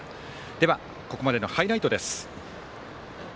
では、ここまでのハイライトです。